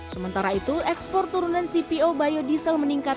sementara itu ekspor turunan cpo biodiesel meningkat